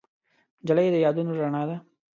نجلۍ د یادونو رڼا ده.